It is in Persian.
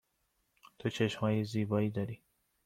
تو چشم های زیبایی داری.